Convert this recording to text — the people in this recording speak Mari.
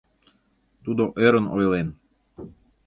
— тудо ӧрын ойлен.